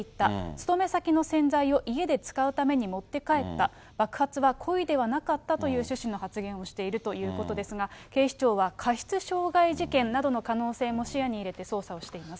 勤め先の洗剤を家で使うために持って帰った、爆発は故意ではなかったという趣旨の発言をしているということですが、警視庁は、過失傷害事件などの可能性も視野に入れて捜査をしています。